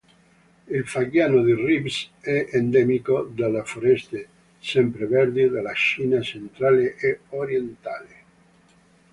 Il fagiano di Reeves è endemico delle foreste sempreverdi della Cina centrale e orientale.